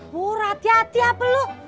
pur hati hati ya peluk